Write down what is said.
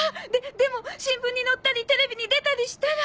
でも新聞に載ったりテレビに出たりしたら